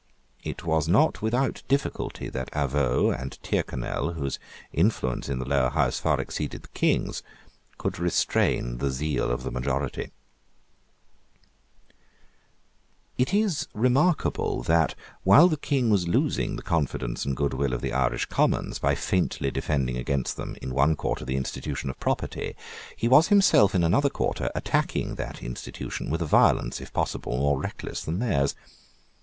It was not without difficulty that Avaux and Tyrconnel, whose influence in the Lower House far exceeded the King's, could restrain the zeal of the majority, It is remarkable that, while the King was losing the confidence and good will of the Irish Commons by faintly defending against them, in one quarter, the institution of property, he was himself, in another quarter, attacking that institution with a violence, if possible, more reckless than theirs.